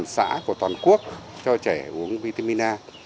một mươi một xã của toàn quốc cho trẻ uống vitamin a